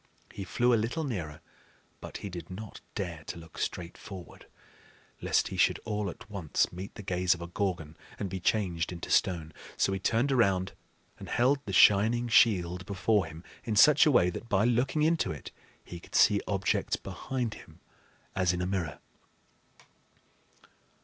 He flew a little nearer; but he did not dare to look straight forward, lest he should all at once meet the gaze of a Gorgon, and be changed into stone. So he turned around, and held the shining shield before him in such a way that by looking into it he could see objects behind him as in a mirror.